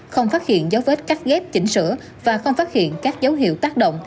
không phát hiện dấu vết cắt ghép chỉnh sửa và không phát hiện các dấu hiệu tác động